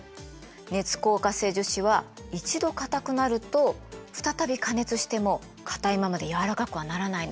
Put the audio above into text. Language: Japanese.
熱硬化性樹脂は一度硬くなると再び加熱しても硬いままで軟らかくはならないの。